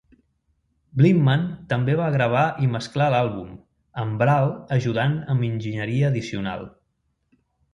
Blinman també va gravar i mesclar l'àlbum, amb Brahl ajudant amb enginyeria addicional.